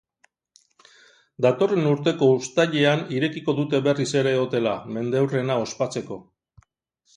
Datorren urteko uzatilean irekiko dute berriz ere hotela, mendeurrena ospatzeko.